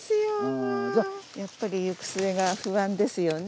やっぱり行く末が不安ですよね。